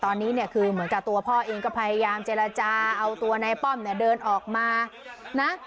ตอนนี้เนี่ยคือเหมือนกับตัวพ่อเองก็พยายามเจรจาเอาตัวนายป้อมเนี่ยเดินออกมานะ